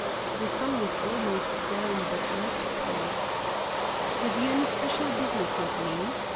The sun was almost down but not quite. "Have you any special business with me?"